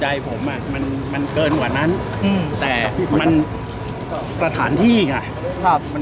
ใจผมอ่ะมันมันเกินกว่านั้นอืมแต่มันสถานที่ไงครับมัน